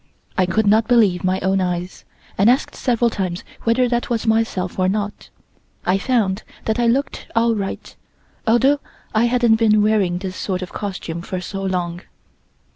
I could not believe my own eyes, and asked several times whether that was myself or not. I found that I looked all right, although I hadn't been wearing this sort of costume for so long.